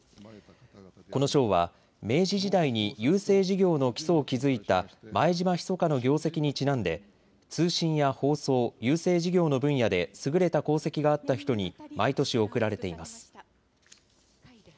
この賞は明治時代に郵政事業の基礎を築いた前島密の業績にちなんで通信や放送、郵政事業の分野で優れた功績があった人に毎年贈られています。